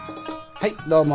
はいどうも。